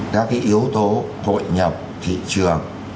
các cái yếu tố hội nhập thị trường